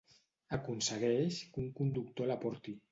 Aconsegueix que un conductor la porti.